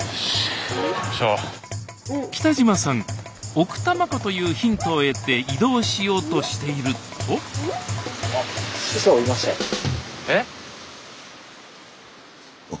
奥多摩湖というヒントを得て移動しようとしているとスタジオ